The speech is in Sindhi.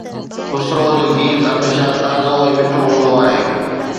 خسروءَ جو گيت هميشه تازو ۽ مٺو هوندو آهي